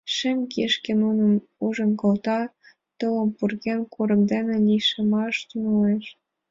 Шем кишке нуным ужын колта, тулым пӱрген, курык деке лишемаш тӱҥалеш.